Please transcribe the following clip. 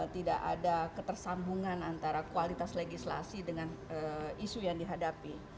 tidak ada ketersambungan antara kualitas legislasi dengan isu yang dihadapi